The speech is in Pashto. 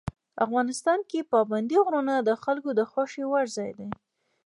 افغانستان کې پابندی غرونه د خلکو د خوښې وړ ځای دی.